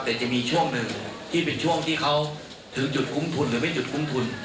แต่จะมีช่วงหนึ่งที่เป็นช่วงที่เขาถึงจุดคุ้มทุนหรือไม่จุดคุ้มทุน